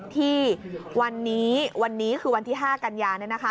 ที่วันนี้วันนี้คือวันที่๕กันยาเนี่ยนะคะ